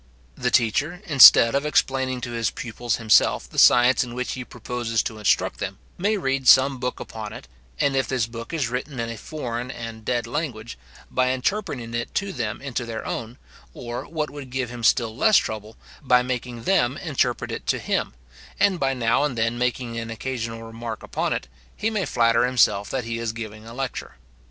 The teacher, instead of explaining to his pupils himself the science in which he proposes to instruct them, may read some book upon it; and if this book is written in a foreign and dead language, by interpreting it to them into their own, or, what would give him still less trouble, by making them interpret it to him, and by now and then making an occasional remark upon it, he may flatter himself that he is giving a lecture.